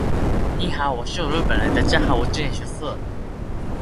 Es un niño muy inteligente y con gran habilidad para la magia.